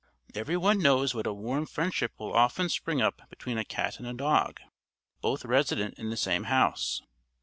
Every one knows what a warm friendship will often spring up between a cat and a dog, both resident in the same house.